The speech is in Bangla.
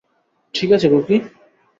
ঠিক আছে, খুকি।